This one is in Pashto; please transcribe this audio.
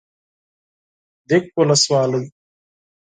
ديک ولسوالي